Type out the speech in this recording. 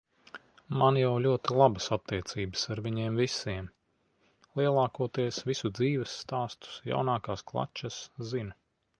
Man jau ļoti labas attiecības ar viņiem visiem. Lielākoties visu dzīvesstāstus, jaunākās klačas zinu.